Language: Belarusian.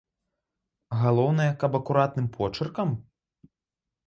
Галоўнае, каб акуратным почыркам?!